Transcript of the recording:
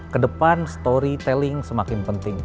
kedepan storytelling semakin penting